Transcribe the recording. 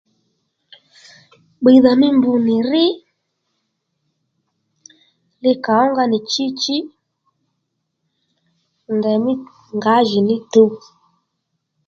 Bbiydha mí mb nì rí li kà ónga nì chichi ndèymí ngǎjìní tuw